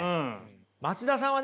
松田さんはね